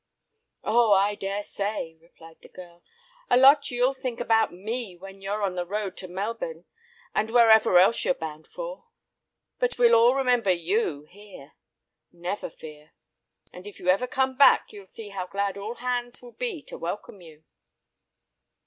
"Oh! I daresay," replied the girl, "a lot you'll think about me when you're on the road to Melbourne and wherever else you're bound for. But we'll all remember you here, never fear! And if you ever come back, you'll see how glad all hands will be to welcome you."